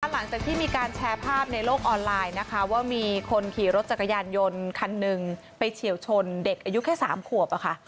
หลังจากที่มีการแชร์ภาพในโลกออนไลน์นะคะว่ามีคนขี่รถจักรยานยนต์คันหนึ่งไปเฉียวชนเด็กอายุแค่๓ขวบ